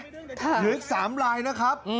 หลีกอีก๓รายนะครับ